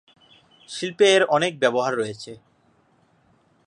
শিল্পে এর অনেক ব্যবহার রয়েছে।